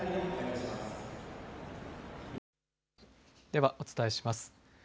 ではお伝えします。